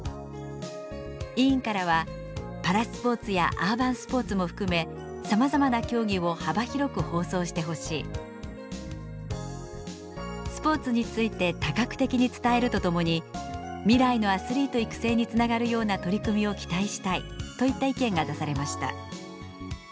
委員からは「パラスポーツやアーバンスポーツも含めさまざまな競技を幅広く放送してほしい」「スポーツについて多角的に伝えるとともに未来のアスリート育成につながるような取り組みを期待したい」といった意見が出されました。